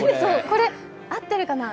これ、合ってるかな。